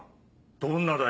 どんなだよ？